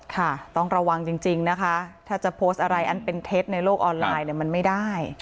ค่ะต้องระวังจริงนะคะถ้าจะโพสต์อะไรอันเป็นเท็จในโลกออนไลน์เนี่ยมันไม่ได้